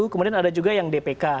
kemudian ada juga yang dpk